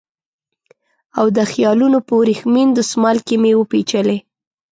او د خیالونو په وریښمین دسمال کې مې وپېچلې